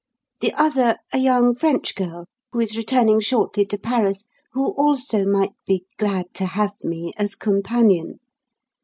The other, a young French girl who is returning shortly to Paris, who also might be 'glad to have me' as companion.